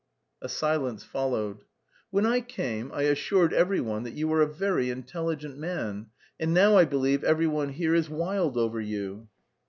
A silence followed. "When I came I assured every one that you were a very intelligent man, and now I believe every one here is wild over you."